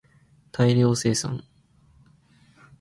大量生産